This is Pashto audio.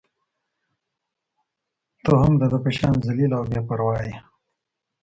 ته هم د ده په شان ذلیله او بې پرواه يې.